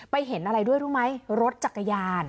เห็นอะไรด้วยรู้ไหมรถจักรยาน